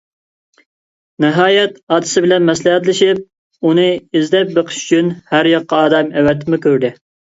ناھايەت ئاتىسى بىلەن مەسلىھەتلىشىپ ئۇنى ئىزدەپ بېقىش ئۈچۈن ھەر قاياققا ئادەم ئەۋەتىپمۇ كۆردى.